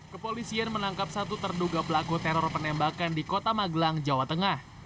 kepolisian menangkap satu terduga pelaku teror penembakan di kota magelang jawa tengah